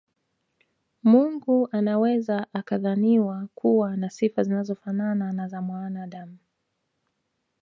Mungu anaweza akadhaniwa kuwa na sifa zinazofanana na za mwanaadamu